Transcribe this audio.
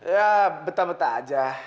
ya betah betah aja